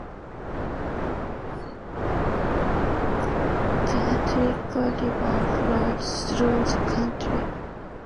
The Artichoke River flows through the community.